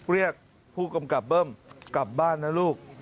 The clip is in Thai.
เรียกผู้กำกับเบิ้มกลับบ้านนะลูก